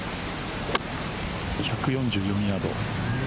１４４ヤード。